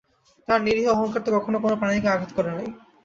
তাহার নিরীহ অহংকার তো কখনো কোনো প্রাণীকে আঘাত করে নাই।